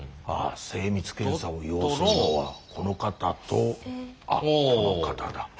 ああ精密検査を要するのはこの方とあこの方だ。